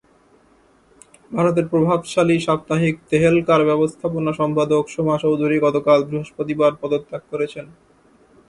ভারতের প্রভাবশালী সাপ্তাহিক তেহেলকার ব্যবস্থাপনা সম্পাদক সোমা চৌধুরী গতকাল বৃহস্পতিবার পদত্যাগ করেছেন।